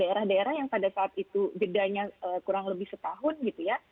daerah daerah yang pada saat itu jedanya kurang lebih setahun gitu ya